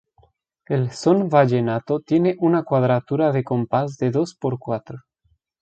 El son vallenato tiene una cuadratura de compás de dos por cuatro.